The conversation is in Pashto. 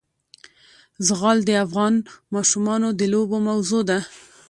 زغال د افغان ماشومانو د لوبو موضوع ده.